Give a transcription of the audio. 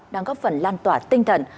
đang góp phần lan tỏa tinh thần